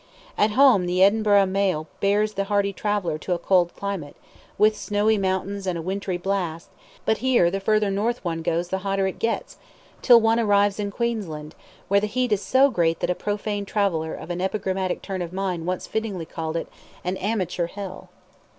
At home the Edinburgh mail bears the hardy traveller to a cold climate, with snowy mountains and wintry blasts; but here the further north one goes the hotter it gets, till one arrives in Queensland, where the heat is so great that a profane traveller of an epigrammatic turn of mind once fittingly called it, "An amateur hell."